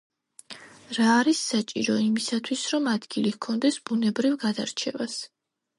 რა არის საჭირო იმისათვის, რომ ადგილი ჰქონდეს, ბუნებრივ გადარჩევას.